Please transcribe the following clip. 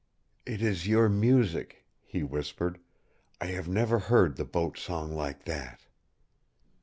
"It is your music," he whispered. "I have never heard the Boat Song like that!"